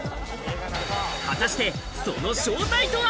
果たしてその正体とは？